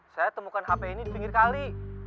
saya temukan hp ini di pinggir kali